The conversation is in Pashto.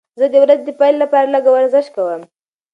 زه د ورځې د پیل لپاره لږه ورزش کوم.